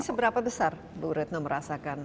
seberapa besar bu retno merasakan